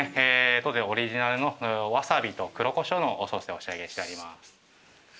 当店オリジナルのわさびと黒こしょうのおソースでお仕上げしてあります。